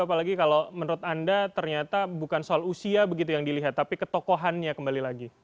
apalagi kalau menurut anda ternyata bukan soal usia begitu yang dilihat tapi ketokohannya kembali lagi